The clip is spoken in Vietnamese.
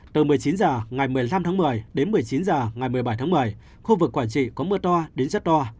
từ một mươi chín h ngày một mươi năm tháng một mươi đến một mươi chín h ngày một mươi bảy tháng một mươi khu vực quảng trị có mưa to đến rất to